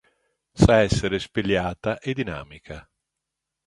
Sa essere spigliata e dinamica.